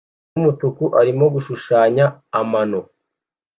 bwumutuku arimo gushushanya amano